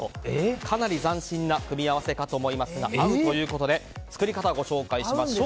かなり斬新な組み合わせかと思いますが合うということで作り方をご紹介しましょう。